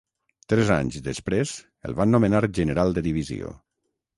Tres anys després el van nomenar general de divisió.